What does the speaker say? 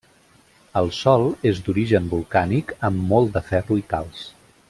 El sòl és d’origen volcànic amb molt de ferro i calç.